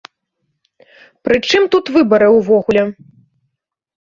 Пры чым тут выбары ўвогуле?!